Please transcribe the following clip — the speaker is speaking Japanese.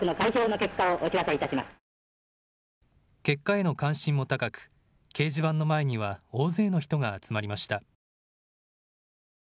結果への関心も高く、掲示板の前には大勢の人が集まりました。